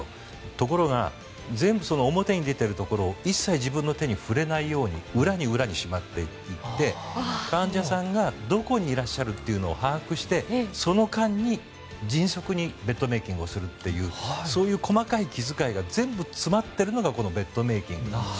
ところが全部表に出ているところを一切自分の手に触れないように裏に裏にしまっていって患者さんがどこにいらっしゃるというのを把握して、その間に迅速にベッドメイキングをするというそういう細かい気遣いが全部詰まっているのがこのベッドメイキング。